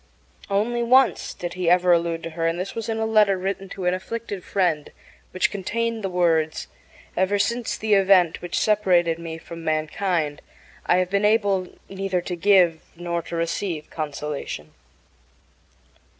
Only once did he ever allude to her, and this was in a letter written to an afflicted friend, which contained the words: Ever since the event which separated me from mankind I have been able neither to give nor to receive consolation.